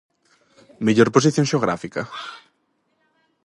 Mellor posición xeográfica?